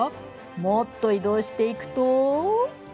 もっと移動していくと。